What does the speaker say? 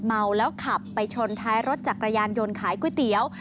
เมาแล้วขับไปชนท้ายรถจักรยานยนต์ขายก๋วยเตี๋ยว